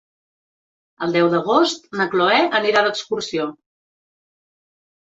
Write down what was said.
El deu d'agost na Cloè anirà d'excursió.